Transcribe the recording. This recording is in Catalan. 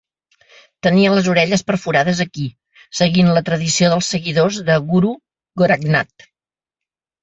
Tenia les orelles perforades aquí, seguint la tradició dels seguidors de Guru Goraknath.